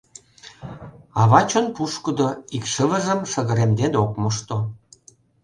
Ава чон пушкыдо, икшывыжым шыгыремден ок мошто.